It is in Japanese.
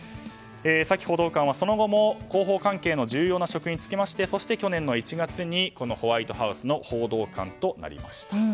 サキ報道官はその後も広報関係の重要な職に就きましてそして去年１月にホワイトハウスの報道官となりました。